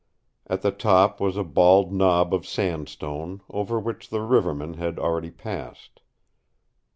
At the top was a bald knob of sandstone, over which the riverman had already passed.